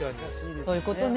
そういうことね。